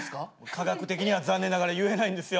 科学的には残念ながら言えないんですよ。